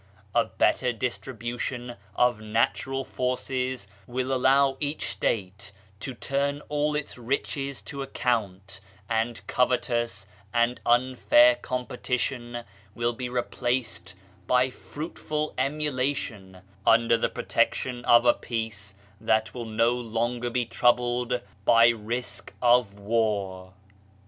A better distribu tion of natural forces will allow each State to turn all its riches to account, and covet ous and unfair competition will be replaced by fruitful emulation, under the protection of a peace that will no longer be troubled by risk of war.